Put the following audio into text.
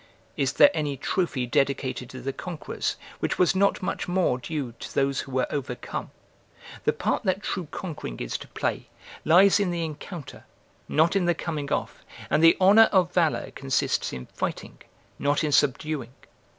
Is there any trophy dedicated to the conquerors which was not much more due to these who were overcome? The part that true conquering is to play, lies in the encounter, not in the coming off; and the honour of valour consists in fighting, not in subduing.